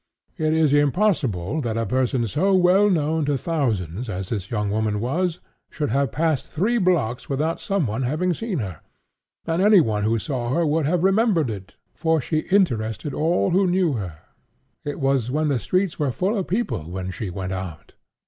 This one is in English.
It is impossible that a person so well known to thousands as this young woman was, should have passed three blocks without some one having seen her; and any one who saw her would have remembered it, for she interested all who knew her. It was when the streets were full of people, when she went out....